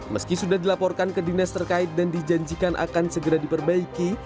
meski sudah dilaporkan ke dinas terkait dan dijanjikan akan segera diperbaiki